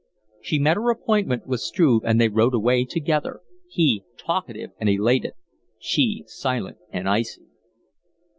She met her appointment with Struve, and they rode away together, he talkative and elated, she silent and icy.